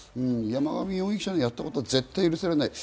山上容疑者がやったことは絶対許されない。